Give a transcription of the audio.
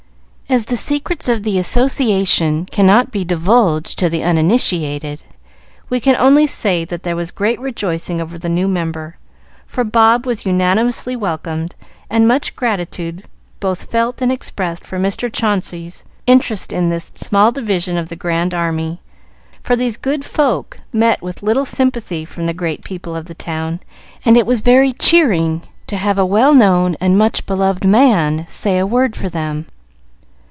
As the secrets of the association cannot be divulged to the uninitiated, we can only say that there was great rejoicing over the new member, for Bob was unanimously welcomed, and much gratitude both felt and expressed for Mr. Chauncey's interest in this small division of the grand army; for these good folk met with little sympathy from the great people of the town, and it was very cheering to have a well known and much beloved man say a word for them.